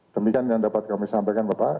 demikian yang dapat kami sampaikan bapak